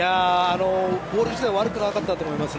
ボール自体は悪くなかったと思います。